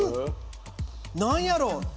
何やろう？